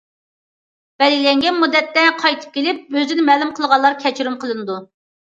بەلگىلەنگەن مۇددەتتە قايتىپ كېلىپ ئۆزىنى مەلۇم قىلغانلار كەچۈرۈم قىلىنىدۇ.